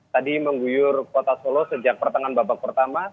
tadi mengguyur kota solo sejak pertengahan babak pertama